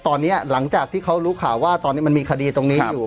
ตอนนี้หลังจากที่เขารู้ข่าวว่าตอนนี้มันมีคดีตรงนี้อยู่